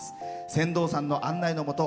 船頭さんの案内のもと